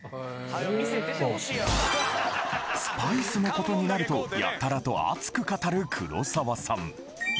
スパイスのことになるとやたらと熱く語る黒沢さん